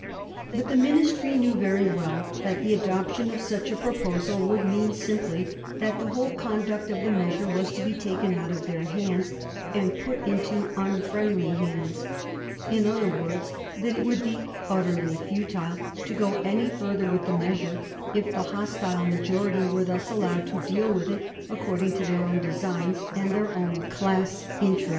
But the Ministry knew very well that the adoption of such a proposal would mean simply that the whole conduct of the measure was to be taken out of their hands and put into unfriendly hands in other words, that it would be utterly futile to go any further with the measure if the hostile majority were thus allowed to deal with it according to their own designs and their own class interest.